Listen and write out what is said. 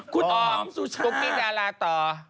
คุณออมสุชาติคุณมีดาราต่อ